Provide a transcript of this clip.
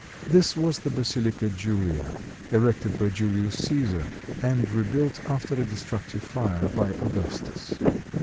This was the Basilica Julia, erected by Julius Cæsar, and rebuilt, after a destructive fire, by Augustus.